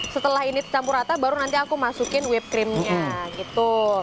setelah ini tercampur rata baru nanti aku masukin whipped cream nya gitu